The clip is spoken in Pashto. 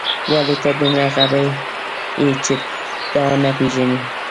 ولې ته دومره غبي یې چې دا نه پېژنې